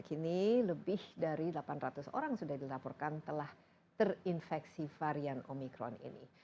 kini lebih dari delapan ratus orang sudah dilaporkan telah terinfeksi varian omikron ini